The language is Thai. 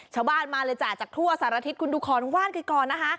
ชาวบ้านมาเลยจ้ะจากทั่วสารอาทิตย์คุณดุคอนของว่านก่อนนะคะ